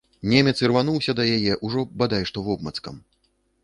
Немец ірвануўся да яе ўжо бадай што вобмацкам.